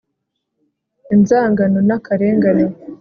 inzangano n'akarengane